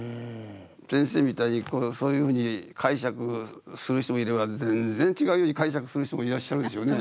先生みたいにそういうふうに解釈する人もいれば全然違うように解釈する人もいらっしゃるでしょうね。